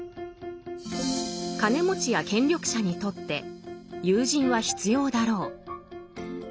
金持ちや権力者にとって友人は必要だろう。